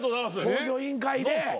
『向上委員会』で。